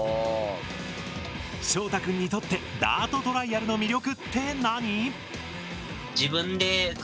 しょうたくんにとってダートトライアルの魅力って何？